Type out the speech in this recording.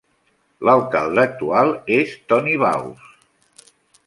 L'alcalde actual és Tony Vauss.